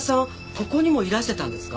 ここにもいらしてたんですか？